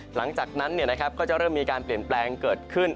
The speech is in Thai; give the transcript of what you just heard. หลังจากนั้นก็จะเริ่มมีการเปลี่ยนแปลงเกิดขึ้น